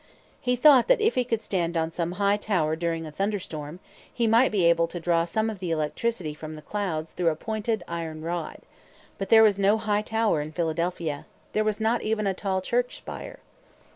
He thought that if he could stand on some high tower during a thunder storm, he might be able to draw some of the electricity from the clouds through a pointed iron rod. But there was no high tower in Philadelphia. There was not even a tall church spire.